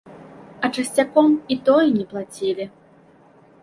А часцяком і тое не плацілі.